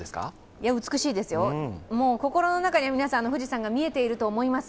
美しいですよ、心の中に皆さん、富士山が見えていると思います。